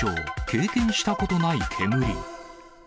経験したことない煙。